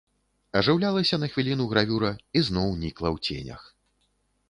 Ажыўлялася на хвіліну гравюра і зноў нікла ў ценях.